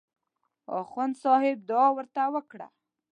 اخندصاحب دعا ورته وکړه.